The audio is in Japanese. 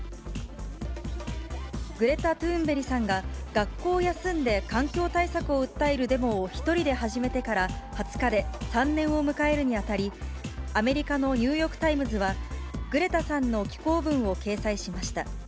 グレタ・トゥーンベリさんが学校を休んで環境対策を訴えるデモを１人で始めてから、２０日で３年を迎えるにあたり、アメリカのニューヨークタイムズは、グレタさんの寄稿文を掲載しました。